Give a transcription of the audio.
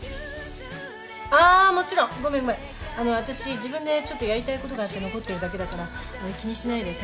私自分でちょっとやりたいことがあって残ってるだけだから気にしないで先に帰って。